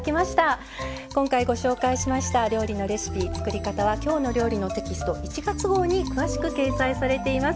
今回ご紹介しました料理のレシピ作り方は「きょうの料理」のテキスト１月号に詳しく掲載されています。